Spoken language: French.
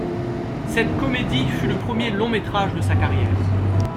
Cette comédie fut le premier long-métrage de sa carrière.